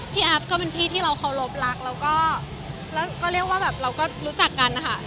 แอฟก็เป็นพี่ที่เราเคารพรักแล้วก็เรียกว่าแบบเราก็รู้จักกันนะคะ